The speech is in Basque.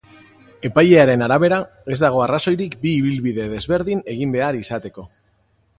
Epailearen arabera, ez dago arrazoirik bi ibilbide desberdin egin behar izateko.